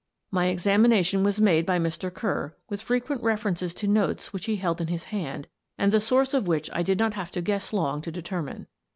My examination was made by Mr. Kerr, with frequent references to notes which he held in his hand and the source of which I did not have to guess long to determine.